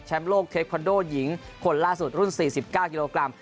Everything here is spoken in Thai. โลกเทคคอนโดหญิงคนล่าสุดรุ่น๔๙กิโลกรัม